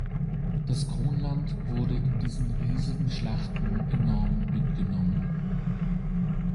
Das Kronland wurde in diesen riesigen Schlachten enorm mitgenommen.